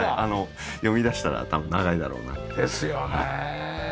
読み出したら多分長いだろうな。ですよね。